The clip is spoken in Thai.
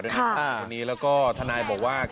แล้วก็ธนาฬิการบอกว่า